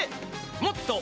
「もっと！